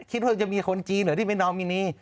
คิดว่าจะมีคนจีนเหรอที่เป็นนอมินี